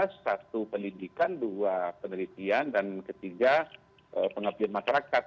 satu pendidikan dua penelitian dan ketiga pengabdian masyarakat